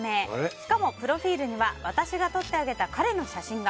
しかも、プロフィールには私が撮ってあげた彼の写真が。